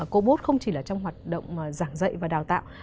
cobot không chỉ là trong hoạt động giảng dạy và đào tạo